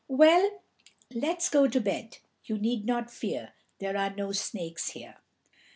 "Well, let's go to bed. You need not fear. There are no snakes here."